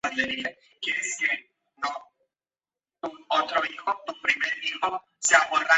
Está unida a tierra firme por un estrecho puente.